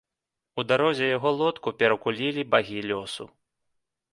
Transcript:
У дарозе яго лодку перакулілі багі лёсу.